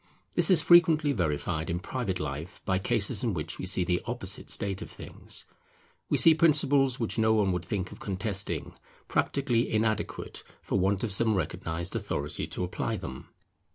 This is frequently verified in private life by cases in which we see the opposite state of things; we see principles which no one would think of contesting, practically inadequate, for want of some recognized authority to apply them.